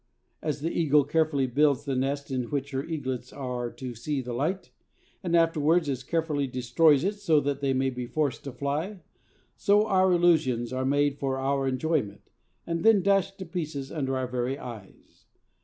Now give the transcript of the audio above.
As the eagle carefully builds the nest in which her eaglets are to see the light, and afterwards as carefully destroys it so that they may be forced to fly, so our illusions are made for our enjoyment, and then dashed to pieces under our very eyes.